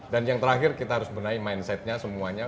dan yang terakhir kita harus benahi mindset nya semuanya